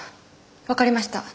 わかりました。